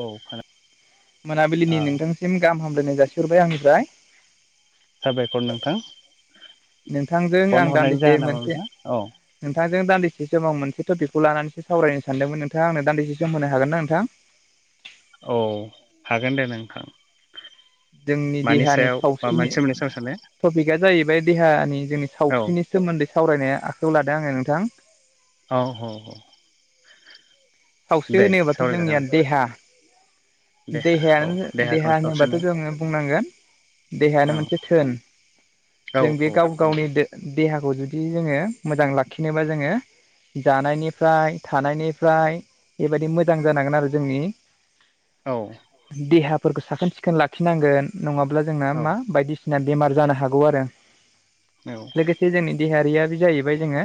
औ खोना मोनाबिलिनि ओ नोंथांसिम गाहाम हामलायनाय जासिहरबाय आंनिफ्राय साबायखर नोंथां नोंथांजों फन आं हरनायनि दान्दिसे जाहोन नामा मोनसे नोंथां औ नोंथांजों दान्दिसे समाव मोनसे टपिकखौ लानानैो सावरायनो सानदोंमोनोंथा आंनो दान्दिसे सम होनो हागोन ना नोंथां औ हागोन दे नोंथां जोंनि मानि देहानि सायाव बा सावस्रिनि मोनसे मोननै सायाव साननाय टपिकआ जाहैबाय देहानि जोंनि औ सावस्रिनि सोमोन्दै सावरायनो आखायाव लादों आङो नोंथां ह ह सावस्रि होनोबाथ' जोंनिया देहा नोंथां। देहा औ देहायानो देहाखौनो देहा होनोबाथ' सावस्रिनाय जोङो बुंनांगोन देहायानो औ मोनसे थोन औ जों बे औ गाव गावनि नंगौ देहाखौ जुदि जोङो मोजां लाखिनोबा जोङो जानायनिफ्राय थानायनिफ्राय बेबायदि मोजां जानांगोन आरो जोंनि औ देहाफोरखौ साखोन सिखोन लाखिनांगोन नङाब्ला जोङो औ मा बायदि बेमार जानो हागौ आरो औ लोगोसे जोंनि देहायारिया बे जाहैबाय जोङो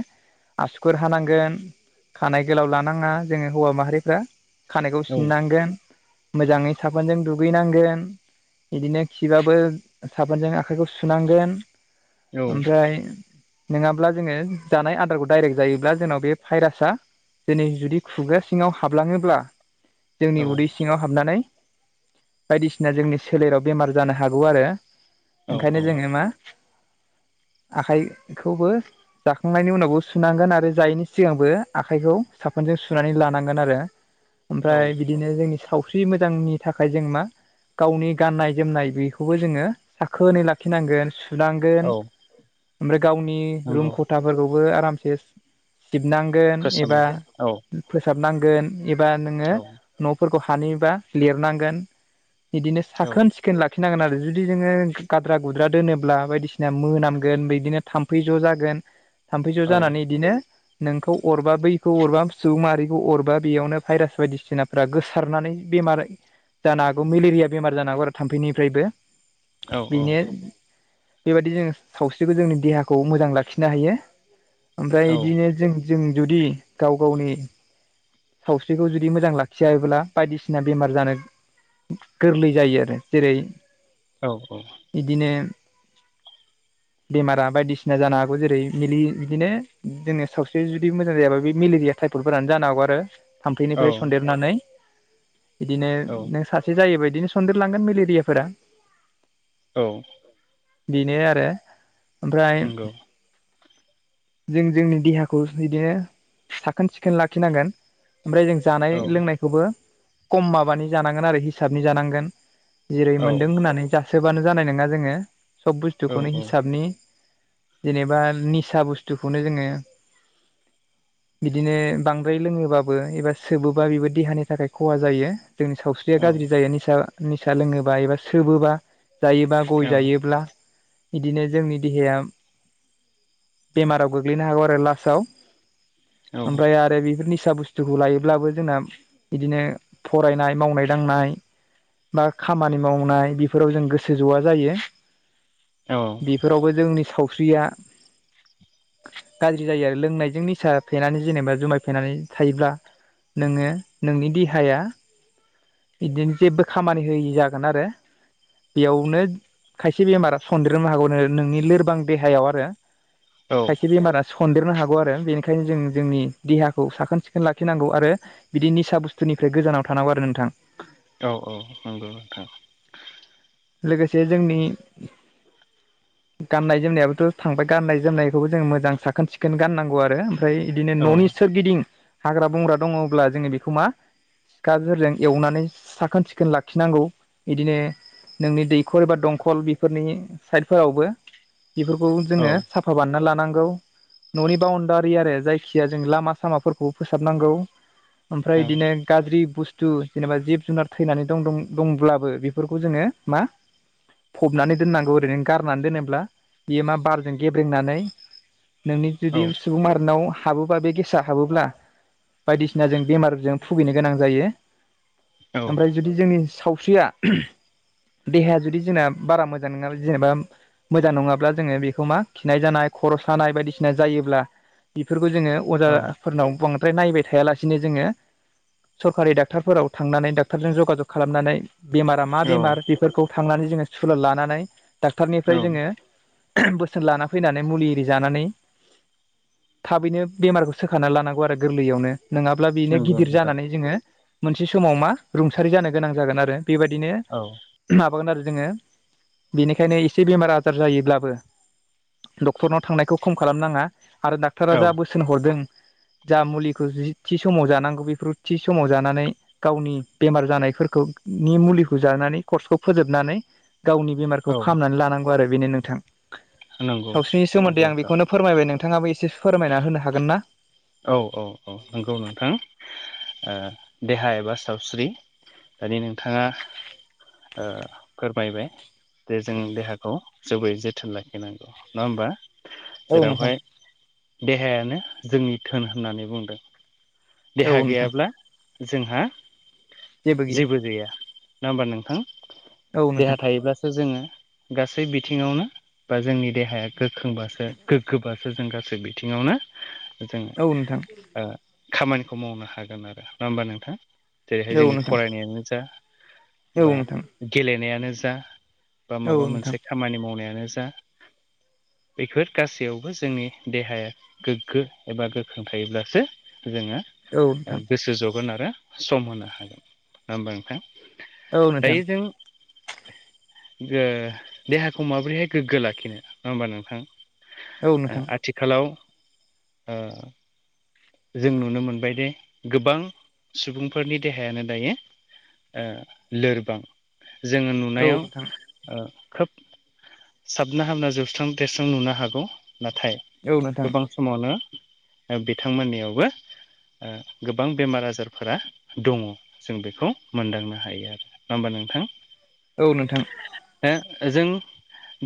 आसुखुर हानांगोन खानाय गोलाव लानाङा जोङो हौवा माहारिफ्रा खानायखौ औ सिननांगोन मोजाङै साफोनजों दुगैनांगोन। बिदिनो खिबाबो साबोनजों आखाइखौ सुनांगोन ओमफ्राय नङाब्ला जोङो जानाय आदारखौ डाइरेक्ट जायोब्ला जोंनाव बे भाइरासा दिनै जुदि खुगा सिङाव हाबलाङोब्ला जोंनि उदै सिङाव हाबनानै बायदिसिना जोंनि सोलेराव बेमार जानो हागौ आरो औ ओंखायनो जोङो मा आखाइखौबो जाखांनायनि उनावबो सुनांगोन आरो जायैनि सिगांबो आखाइखौ साफोनजों सु सुनानै लानांगोन आरो औ ओमफ्राय बिदिनो जोंनि सावस्रि मोजांनि थाखाय जों मा गावनि गाननाय जोमनाय बेखौबो जोङो साखोनै लाखिनांगोन सुनांगोन औ ओमफ्राय गावनि नंगौ रुम खथाफोरखौबो आरामसे सिबनांगोन एबा फोसाबनो औ फोसाबनांगोन एबा नोङो औ न'फोरखौ हानिबा लिरनांगोन बिदिनो औ साखोन सिखो सिखोन लाखिनांगोन आरो जुदि जोङो गाद्रा-गुद्रा दोनोब्ला बायदिसिना मोनामगोन बिदिनो थाम्फै ज' जागोन थाम्फै ज' औ जानानै इदिनो नोंखौ अरबा बैखौ अरबा सुबुं मारिखौ अरबा बेयावनो भाइरास बायदिसिनाफ्रा गोसारनानै बेमार जानो हागौ मेलेरिया बेमार जानो हागौ आरो थाम्फैनिफ्रायबो। औ बेनो बेबायदि जोङो सावस्रिखौ जोंनि देहाखौ मोजां लाखिनो हायो। ओमफ्राय औ बिदिनो जों जों जुदि गाव गावनि सावस्रिखौ जुदि मोजां लाखियाल्बा बायदिसिना बेमार जानो गोरलै जायो आरो जेरै औ औ इदिनो बेमारा बायदिसिना जानो हागौ जेरै मि बिदिनो जोङो सावस्रि जुदि मोजां जायाबा बे मेलेरिया थाइपलफोरानो जानो हागौ आरो थाम्फैनिफ्राय औ सन्देरनानै बिदिनो औ नों सासे एसे जायोबायायदिनो सनन्देरलांगोन मेलेरिलियाफोरा औ बेनो आरो ओमफ्राय नंगौ जों जोंनि देहाखौ बिदिनो साखोन सिखोन लाखिनांगोन ओमफ्राय जों जानाय औ लोंनायखौबो खम माबानि जानांगोन आरो हिसाबनि जानांगोन। जेरै मोन्दों औ होननानै जासोबानो जानाय नङा जोङो। सब औ बुस्थुखौनो हिसाबनि जेनेबा निसा बुस्थुखौनो जोङो [inaudible] बिदिनो बांद्राय लोङोबाबो एबा सोबोबा बेबो देहानि थाखाय खहा जायो। जोंनि सावस्रि देया औ गाज्रि जायो निसा निसा लोङोबा एबा सोबोबा जायोबा औ गय जायोब्ला इदिनो जोंनि देहाया बेमाराव गोग्लैनो हागौ आरो लास्टआव ओमफ्राय आरो बेफोर निसा बुस्थु जुगुखौ लायोब्लाबो जोंना बिदिनो फरायनाय मावनाय दांनाय। मा खामानि मावनाय बेफोराव जों गोसो जवा जायो। औ। बेफोरावबो जोंनि सावस्रिया। गाज्रि जायो आरो लोंनायजों निसा फेनानै जेनेबा जुमाय फेनानै थायोब्ला। नोङो नोंनि देहाया। बिदिनो जेबो खामानि होयै जागोन आरो। बेयावनो खायसे बेमारा सनदेरनो हागौ नोंनि लोरबां देहायाव आरो। औ खायसे बेमारा सनदेरनो हागौ आरो बेनिखायनो जों जोंनि देहाखौ साखोन सिखोन लाखिनांगौ आरो। बिदि निसा बुस्थुनिफ्राय गोजानाव थानांगौ आरो नोंथां। औ औ नंगौ नोंथां। लोगोसे जोंनि। गाननाय जोमनायाबोथ थांबाय गाननाय जोमनायखौबो जों मोजां साखोन सिखोन गाननांगौ आरो। ओमफ्राय बिदिनो औ ननि सोरगिदिं हाग्रा बंग्रा दङब्ला जोङो बेखौ मा खाजोंरजों एवनानै साखोन सिखोन लाखिनांगौ यिदिनो। नोंनि दैखर एबा दंखल बेफोरनि साइडफोरावबो बेफोरखौ औ जोङो साफ होबानना लानांगौ। ननि बाउणडारि आरो जायखि जाया जों लामा सामाफोरखौबो फोसाबनांगौ। औ ओमफ्राय बिदिनो गाज्रि बुस्थु जेनेबा जिब जुनार थैनानै दं दंब्लाबो बेफोरखौ जोङो मा? फबनानै दोननांगौ ओरैनो गारनानै दोनोब्ला बियो मा बारजों गेब्रेंनानै। नोंनि औ जुदि सुबुं आरिनाव हाबोब्ला बे गेसा हाबोब्ला बायदिसिना जों बेमारजों भुगिनो गोनां जायो। ओमफ्राय जुदि जोंनि सावस्रिया देहाया जुदि जोंना बारा मोजां नङा जेनेबा। मोजां नङाब्ला जोङो बेखौ मा खिनाय जानाय खर सानाय बायदिसिना जायोब्ला बेफोरखौ जोङो। औ अजाफोरनाव बांद्राय नायबाय थायालासिनो जोङो। सरकारि डाक्टारफोराव थांनानै डाक्टारजों जगा जग खालामनानै बेमारा मा औ बेमार बेफोरखौ थांनानै जोङो सुलाद लानानै डाक्टारनिफ्राय जोङो। बोसोन लाना फैनानै मुलि आरि जानानै। थाबैनो बेमारखौ सोखा लानांगौ आरो गोरलैयावनो नङाब्ला बेनो नंगौ गिदिर नोंथां जानानै जोङो। मोनसे समाव मा रुंसारि जानो गोनां जागोन आरो बेबायदिनो। औ। माबागोन आरो जोङो बेनिखायनो एसे बेमार आजार जायोब्लाबो डक्टरनाव थांनायखौ खम खालामनाङा आरो डाक्टारा औ जा बोसोन हरदों। जा मुलिखौ जि थि समाव जानांगौ बेफोर थि समाव जानानै। गावनि बेमार जानायफोरखौनि मुलिखौ जानानै कर्सखौ फोजोबनानै गावनि बेमारखौ औ फाहामनानै लानांगौ आरो बेनो नोंथां। नंगौ नंगौ सावस्रिनि नोंथां सोमोन्दै आं बेखौनो फोरमायबाय नोंथाङाबो एसे फोरमायना होनो हागोन ना? औ औ औ नंगौ नोंथां। ओ देहा एबा सावस्रि दानि नोंथाङा ओ फोरमायबाय। जे जों देहाखौ जोबोरै जोथोन लाखिनांगौ नङा होमबा? औ जेराव नोंथां हाय देहायानो जोंनि धोन होननानै बुंदों। औ देहा नोंथां गैयाब्ला जोंहा जेबो गैया नङा होमबा नोंथां औ देहा नोंथां थायोब्ला जोङो गासै बिथिङावनो बा जोंनि देहाया गोख्रोंबासो गोग्गोबासो जों गासै बिथिङावनो जों औ नोंथां। ओ खामानिखौ मावनो हागोन आरो नङा होमबा नोंथां? जेरैहाय औ जोंनि नोंथां फरायनायानो जा औ बा नोंथां गेलेनायानो जा बा औ माबा नोंथां मोनसे खामानि मावनायानो जा बेफोर गासैयावबो जोंनि देहाया गोग्गो एबा गो ख्रों थायोब्लासो जोङो औ नोंथां गोसो जगोन आरो सम होनो हागोन नङा होमबा औ नोंथां। नोंथां दायो जों देहाखौ माबोरैहाय गोग्गो लाखिनो नङा होमबा नोंथां। औ नोंथां आथिखालाव ओ जों नुनो मोनबायदे गोबां सुबुंफोरनि देहायानो दायो ओ लोरबां। जोङो औ नुनायाव खोब साबना हामना जौस्रां देस्रां नुनो हागौ। नाथाय औ नोंथां। गोबां समावनो बिथांमोननियावबो गोबां बेमार आजारफोरा दङ। जों बेखौ मोनदांनो हायो आरो नङा होमबा नोंथां? औ नोंथां। जों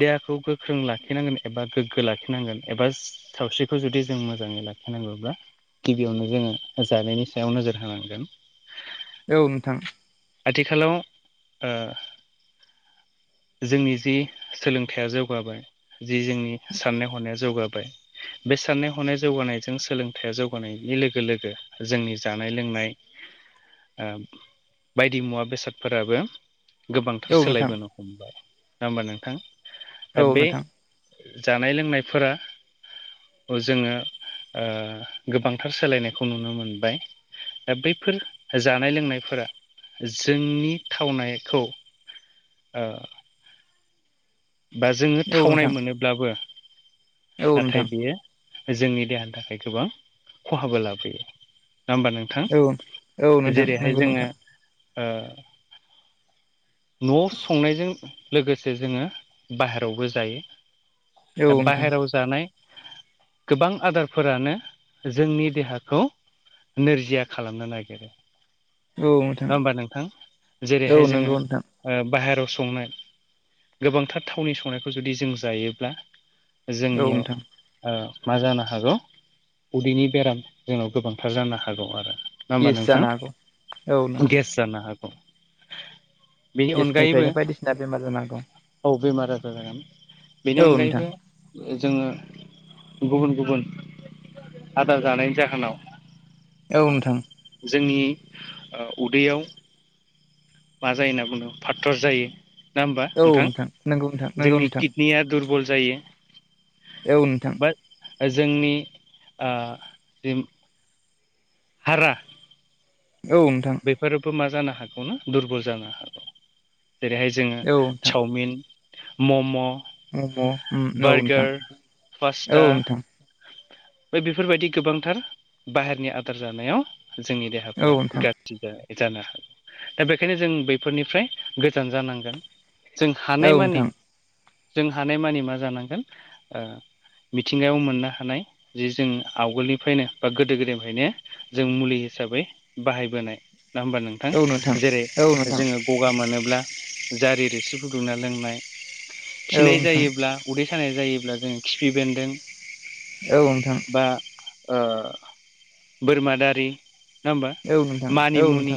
देहाखौ गोख्रों लाखिनांगोन एबा गोग्गो लाखिनांगोन एबा सावस्रिखौ जुदि जों मोजाङै लाखिनांगौब्ला गिबियावनो जोङो जानायनि सायाव नोजोर होनांगोन। औ नोंथां। आथिखालाव ओ जोंनि जि सोलोंथाइया जौगाबाय जि जोंनि साननाय हनाया जौगाबाय बे साननाय हनाय जौगानायजों सोलोंथायाइया जौगानायनि लोगो लोगो जोंनि जानाय लोंनाय बायदि मुवा बेसादफोराबो गोबांथार औ नोंथां सोलायबोनो हमबाय नङा होमबा नोंथां? औ दा बे नोंथां जानाय लोंनायफोरा जोङो गोबांथार सोलायनायखौ नुनो मोनबाय। दा बैफोर जानाय लोंनायफोरा जोंनि थावनायखौ ओ बा जोङो औ थावनाय नोंथां मोनोब्लाबो औ नोंथां नाथाय बेयो जोंनि देहानि थाखाय गोबां खहाबो लाबोयो नङा होमबा नों थां औ औ नोंथां जेरैहाय नंगौ जोङो नोंथां न'आव संनायजों लोगोसे जोङो बाहेरायावबो जायो। औ नोंथां बाहेरायाव जानाय गोबां आदारफोरानो जोंनि देहाखौ नोरजिया खालामनो नागिरो। औ नोंथां नङा हबा नोंथां औ जेरैहाय जोङो नंगौ नोंथां बाहेरायाव संनाय गोबांथार थावनि संनायखौ जुदि जों जायोब्ला औ नोंथां जोंनियाव मा जानो हागौ उदैनि बेराम जोंनाव गोबांथार जानो हागौ आरो। ना गेस होमब्लाा जानो नोंथां? हागौ औ नोंथां गेस जानो हागौ। बेनि अनगायैबो गेसनिफ्रायनो बायदिसिना बेमार जानो हागौ औ बेमार आजार जागामोन बेनि औ नोंथां अनगायैबो जोङो गुबुन गुबुन आदार जानाय जाखोनाव औ नोंथां जोंनि उदैयाव मा जायो होनना बुंदों फाटर जायो नङा होमबा औ नोंथां। नंगौ नोंथां नंगौ जोंनि नोंथां कित निया दुरबल जायो। औ नोंथां। बा जोंनि जि हारा औ नोंथां। बेफोरबो मा जानो हागौ न दुरबल जानो हागौ जेरैहाय जोङो औ नोंथां चावमिन मम' मम' औ नोंथां बार्गार औ पासता नोंथां ब बेफोरबायदि गोबांथार बाहेरनि आदार जानायाव जोंनि औ देहाफोरा नोंथां गाज्रि जानो हागौ दा बेखायनो जों बैफोरनिफ्राय गोजान जानांगोन। जों औ हानायमानि नोंथां जों हानायमानि मा जानांगोन मिथिंगायाव मोननो हानाय जे जों आवगोलनिफ्रायनो बा गोदो गोदायनिफ्रायनो जों मुलि हिसाबै बाहायबोनाय नङा होमबा नोंथां औ जेरै नोंथां औ नोंथां जोङो गगा मोनोब्ला जारि रोसि फुदुंना लोंनाय औ खिनाय जायोब्ला उदै सानाय जायोब्ला जोङो खिफि बेन्दों औ नोंथां बा बोरमा दारि नङा होमबा औ नोंथां औ नोंथां मानिमुनि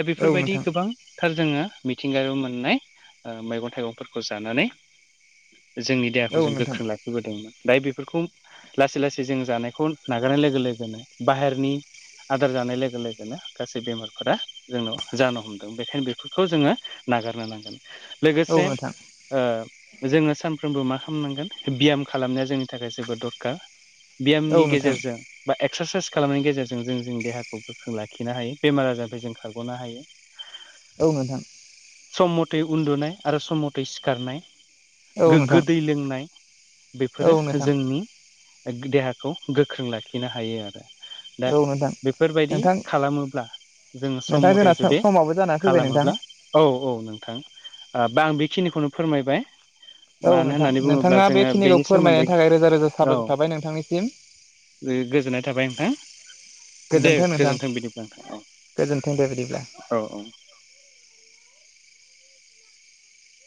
दा औ बेफोरबायदि नोंथां गोबां थार जोङो मिथिंगायावबो मोननाय मैगं थाइगंफोरखौ जानानै जोंनि देहाखौ औ जों नोंथां गोख्रों लाखिबोदोंमोन दा बेफोरखौ लासै लासै जों जानायखौ नागारनाय लोगो लोगोनो बाहेरनि आदार जानाय लोगो लोगो लोगोनो गासै बेमारफोरा जोंनाव जानो हमदों बेखायनो बेफोरखौ जोङो नागारनो नांगोन औ लोगोसे नोंथां जोङो सानफ्रोमबो मा खालामनांगोन बि्याम खालामनाया जोंनि थाखाय जोबोद दरखार। औ बि्यामनि नोंथां गेजेरजों बा एक्सारसाइस खालामनायनि गेजेरजों जों जोंनि देहाखौ जों लाखिनो हायो बेमार आजारफ्राय जों खारग'नो हायो औ नोंथां। सम मथै उन्दुनाय आरो सम मथै सिखारनाय। औ गोग्गो नोंथां दै लोंनाय बेफोरो औ नोंथां जोंनि देहाखौ गोख्रों लाखिनो हायो आरो दा औ नोंथां बेफोरबायदि नोंथां खालामोब्ला जोङो सम नोंथां मथे जोंना जुदि समाबो जानानै फैबाय नोंथां खालामोब्ला औ औ नोंथां बा आं बेखिनिखौनो फोरमायबाय। औ मानो नोंथां होननानै बुङोब्ला नोंथाङा जोङो बेखिनिखौ बेनि सोमोन्दै फोरमायनायनि थाखाय रोजा रोजा औ। साबायखर थाबाय नोंथांनिसिम गोजोननाय थाबाय नोंथां दे गोजोन्थों नोंथां बिदिब्ला नोंथां गोजोन्थों दे बिदिब्ला औ औ।